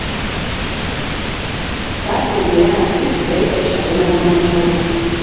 Baategeera nti yali takyali na mwami we.